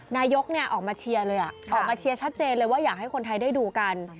นายกออกมาเชียร์เลยออกมาเชียร์ชัดเจนเลยว่าอยากให้คนไทยได้ดูกัน